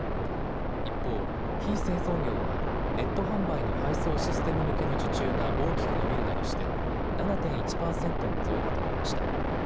一方、非製造業はネット販売の配送システム向けの受注が大きく伸びるなどして７．１％の増加となりました。